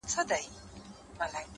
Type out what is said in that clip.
چي ستا د حسن پلوشې چي د زړه سر ووهي”